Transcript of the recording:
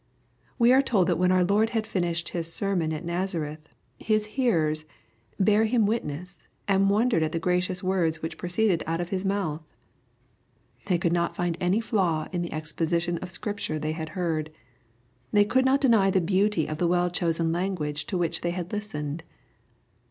We are told that when our Lord had finished His sermon at Nazareth, His hearers " bare Him witness, and wondered at the gracious words which proceeded out of His mouth.'' They could not find any flaw in the exposition of Scripture they had heard. They could not deny the beauty of the well chosen lan guage to which they had listened.